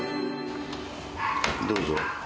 どうぞ。